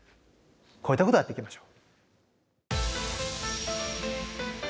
こういったことをやっていきましょう。